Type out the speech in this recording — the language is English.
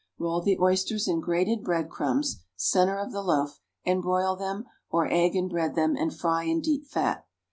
Roll the oysters in grated bread crumbs (centre of the loaf) and broil them, or "egg and bread" them, and fry in deep fat.